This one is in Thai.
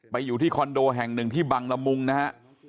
อยู่ที่คอนโดแห่งหนึ่งที่บังละมุงนะฮะ